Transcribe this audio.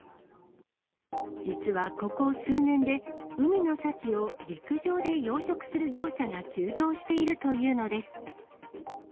実はここ数年で、海の幸を陸上で養殖する業者が急増しているというのです。